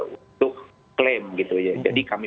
untuk klaim gitu ya jadi kami